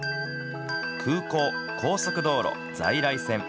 空港、高速道路、在来線。